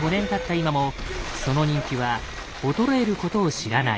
今もその人気は衰えることを知らない。